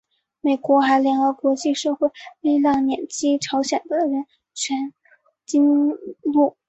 美国还联合国际社会力量抨击朝鲜的人权纪录。